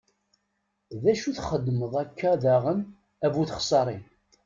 D acu i txedmeḍ akka daɣen, a bu txeṣṣarin?